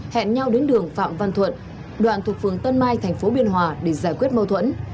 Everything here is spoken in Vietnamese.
hẹn nhau đến đường phạm văn thuận đoạn thuộc phường tân mai thành phố biên hòa để giải quyết mâu thuẫn